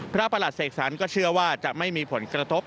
ประหลัดเสกสรรก็เชื่อว่าจะไม่มีผลกระทบ